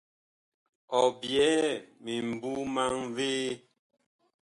Ɔ byɛɛ mimbu maŋ vee ?